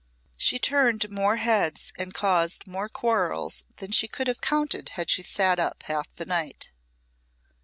She turned more heads and caused more quarrels than she could have counted had she sat up half the night.